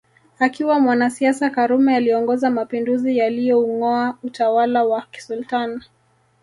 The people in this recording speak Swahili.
Akiwa mwanasiasa karume aliongoza mapinduzi yalioungoa utawala wa kisultan